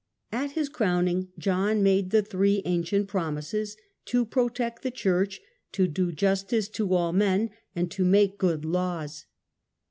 At his crowning John made the three ancient promises — to protect the church, to do justice to all men, and to make good laws.